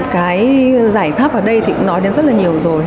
cái giải pháp ở đây thì cũng nói đến rất là nhiều rồi